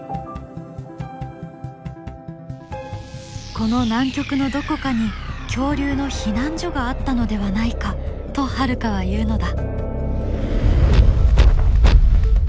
この南極のどこかに恐竜の避難所があったのではないかとハルカは言うのだ。